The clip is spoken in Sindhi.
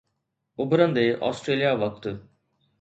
اڀرندي آسٽريليا وقت